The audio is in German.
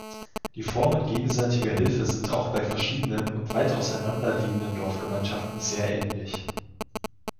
Die Formen gegenseitiger Hilfe sind auch bei verschiedenen und weit auseinanderliegenden Dorfgemeinschaften sehr ähnlich.